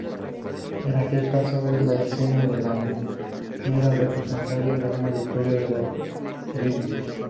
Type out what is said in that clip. En aquel caso la escena de la moneda representaría una victoria de budismo.